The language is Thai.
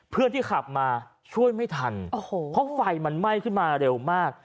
เพื่อนที่ขับมาช่วยไม่ทันโอ้โหเพราะไฟมันไหม้ขึ้นมาเร็วมาก